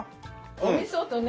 おみそとね